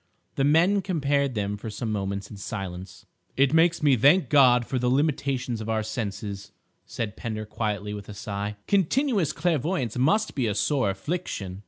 The men compared them for some moments in silence. "It makes me thank God for the limitations of our senses," said Pender quietly, with a sigh; "continuous clairvoyance must be a sore affliction."